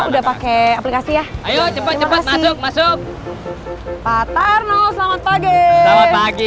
udah pakai aplikasi ya ayo cepet cepet masuk masuk pak tarno selamat pagi pagi